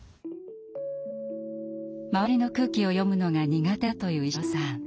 周りの空気を読むのが苦手だという石黒さん。